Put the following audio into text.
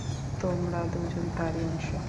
তোমরা দুজন তারই অংশ।